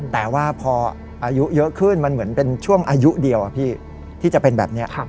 แต่ว่าพออายุเยอะขึ้นมันเหมือนเป็นช่วงอายุเดียวพี่ที่จะเป็นแบบนี้